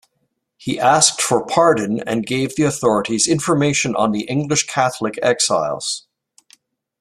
He asked for pardon and gave the authorities information on the English Catholic exiles.